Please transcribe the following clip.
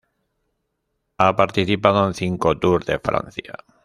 Ha participado en cinco Tour de Francia.